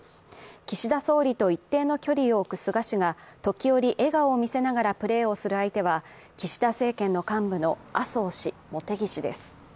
岸田総理と一定の距離を置く菅氏が時折笑顔を見せながらプレーをする相手は岸田政権の幹部の麻生氏、茂木氏です。